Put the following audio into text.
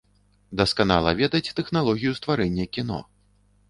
Дасканала ведаць тэхналогію стварэння кіно.